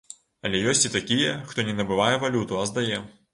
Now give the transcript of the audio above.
Але ёсць і такія, хто не набывае валюту, а здае.